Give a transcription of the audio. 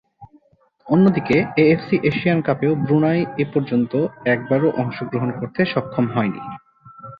অন্যদিকে, AFC Asian কাপেও Brunei এপর্যন্ত একবারও অংশগ্রহণ করতে সক্ষম হয়নি।